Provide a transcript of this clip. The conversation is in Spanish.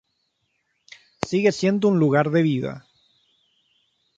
Sigue siendo un lugar de vida".